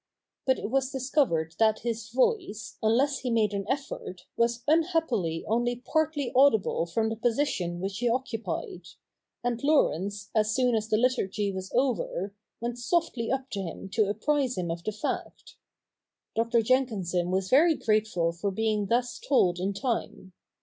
But it was discovered that his voice, unless he made an effort, was unhappily only partly audible from the position which he occupied ; and Laurence, as soon as the Liturgy was over, went softly up to him to apprise him of the fact. Dr. Jenkinson was very grateful for being thus told in time.